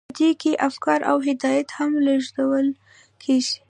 په دې کې افکار او هدایات هم لیږدول کیږي.